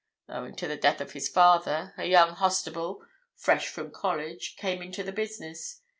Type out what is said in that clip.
Owing to the death of his father, a young Hostable, fresh from college, came into the business.